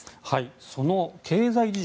その経済事情